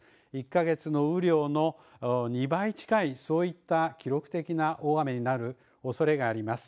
１か月の雨量の２倍近い、そういった記録的な大雨になるおそれがあります。